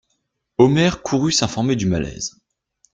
Omer courut s'informer du malaise.